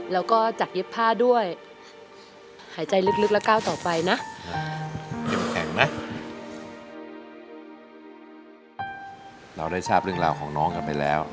เราได้ชาบเรื่องราวของน้องกันไปแล้ว